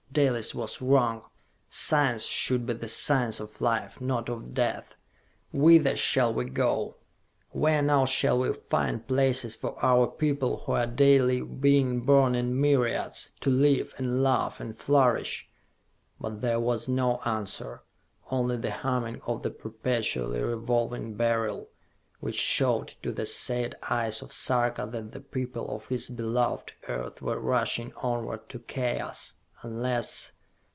Dalis was wrong! Science should be the science of Life, not of Death! Yet whither shall we go! Where now shall we find places for our people who are daily being born in myriads, to live, and love and flourish?" But there was no answer. Only the humming of the perpetually revolving Beryl, which showed to the sad eyes of Sarka that the people of his beloved earth were rushing onward to Chaos, unless....